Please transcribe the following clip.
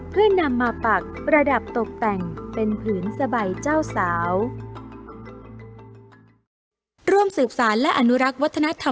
เพื่อนำมาปักประดับตกแต่งเป็นผืนสบายเจ้าสาว